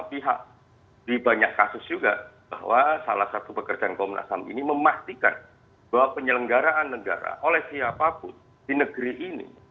pihak di banyak kasus juga bahwa salah satu pekerjaan komnas ham ini memastikan bahwa penyelenggaraan negara oleh siapapun di negeri ini